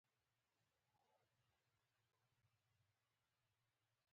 هغه جنرال لو ته وروستي بندیان هم ولېږل.